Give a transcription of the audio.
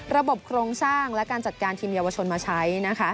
โครงสร้างและการจัดการทีมเยาวชนมาใช้